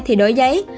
thì đổi giấy